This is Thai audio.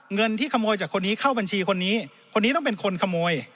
เงินที่ขโมยจากคนนี้เข้าบัญชีคนนี้คนนี้ต้องเป็นคนขโมย